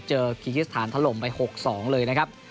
เจอคียกิสถานทะลมไป๖๒เลยนะครับ